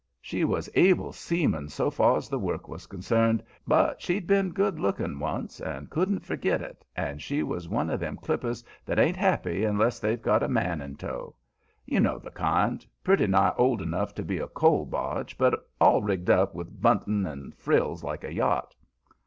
She was able seaman so far's the work was concerned, but she'd been good looking once and couldn't forget it, and she was one of them clippers that ain't happy unless they've got a man in tow. You know the kind: pretty nigh old enough to be a coal barge, but all rigged up with bunting and frills like a yacht.